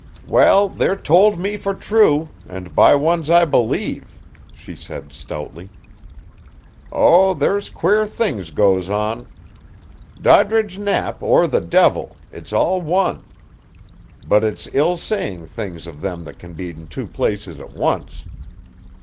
"Well, they're told me for true, and by ones I believe," she said stoutly. "Oh, there's queer things goes on. Doddridge Knapp or the devil, it's all one. But it's ill saying things of them that can be in two places at once."